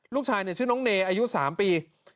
ลูกชายชื่อน้องเนยอายุ๓ปี